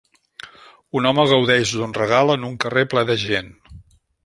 Un home gaudeix d'un regal en un carrer ple de gent.